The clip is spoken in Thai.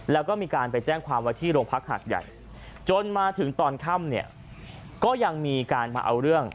แล้วก็มีการไปแจ้งความว่าที่โรงพักหาดใหญ่จนมาถึงตอนค่ำเนี่ยก็ยังมีการมาเอาเรื่อง